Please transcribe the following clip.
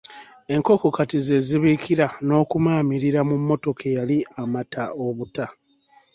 Enkoko kati ze zibiikira n'okumaamirira mu mmotoka eyali amata obuta.